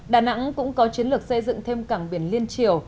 đà nẵng cũng có chiến lược xây dựng thêm cảng biển liên triều